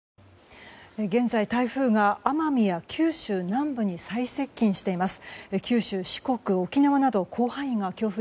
現在、台風が奄美や九州南部に最接近しています。